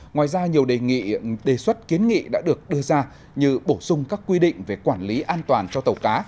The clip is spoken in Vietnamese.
ngoài ra nhiều đề xuất kiến nghị đã được đưa ra như bổ sung các quy định về quản lý an toàn cho tàu cá